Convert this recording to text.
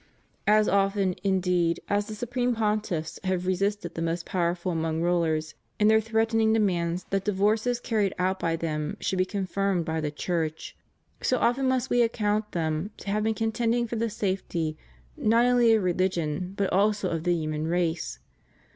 As often, indeed, as the supreme Pontiffs have resisted the most powerful among rulers, in their threatening demands that divorces carried out by them should be confirmed by the Church, so often must we account them to have been contending for the safety, not only of religion, but also of the human race.